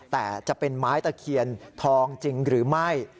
แต่จะเป็นไม้ตะเคียนทองจริงหรือไม่